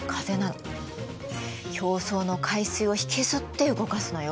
表層の海水を引きずって動かすのよ。